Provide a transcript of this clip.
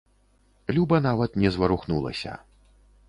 Люба нават не зварухнулася.